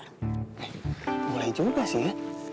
eh mulai juga sih ya